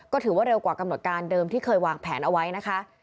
ก็ถือว่าเร็วกว่ากำหนดการเดิมที่เคยวางแผนเอาไว้นะคะ